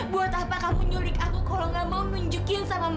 buat apa kamu nyulik aku kalau gak mau nunjukin sama mama